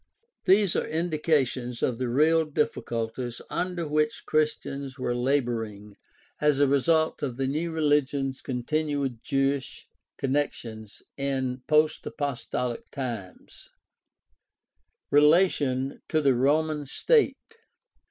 These are indications of the real difficulties under which Christians were laboring as a result of the new religion's continued Jewish connections in post apostolic times. THE STUDY OF EARLY CHRISTIANITY 293 Relation to the Roman state.